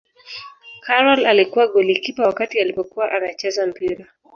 karol alikuwa golikipa wakati alipokuwa anacheza mpira